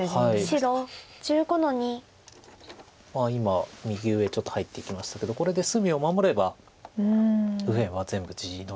今右上ちょっと入っていきましたけどこれで隅を守れば右辺は全部地のような感じです。